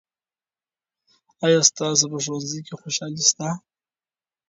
آیا ستاسو په ښوونځي کې خوشالي سته؟